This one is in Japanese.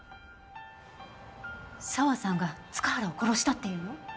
沢さんが塚原を殺したっていうの？